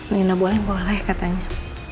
rena boleh boleh katanya